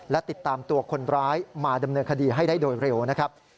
และติดตามตัวคนร้ายมาดำเนินคดีให้ได้โดยเร็วนะครับ